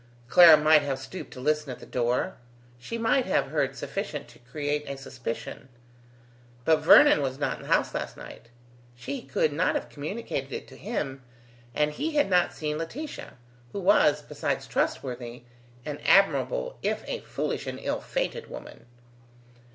Clara might have stooped to listen at the door: she might have heard sufficient to create a suspicion. But Vernon was not in the house last night; she could not have communicated it to him, and he had not seen Laetitia, who was, besides trustworthy, an admirable if a foolish and ill fated woman.